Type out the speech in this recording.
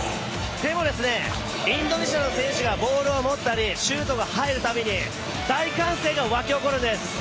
でもですね、インドネシアの選手がボールを持ったりシュートが入るたびに大歓声が沸き上がるんです。